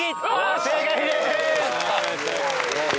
正解です！